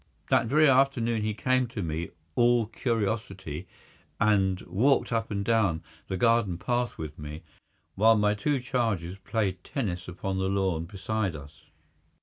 That very afternoon he came to me, all curiosity, and walked up and down the garden path with me, while my two charges played tennis upon the lawn beside us.